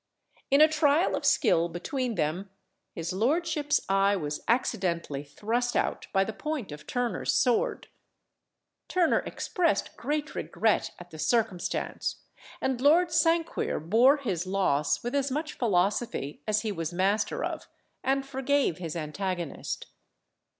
In a trial of skill between them, his lordship's eye was accidentally thrust out by the point of Turner's sword. Turner expressed great regret at the circumstance, and Lord Sanquir bore his loss with as much philosophy as he was master of, and forgave his antagonist.